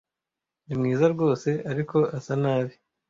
Ni mwiza rwose, ariko asa nabi.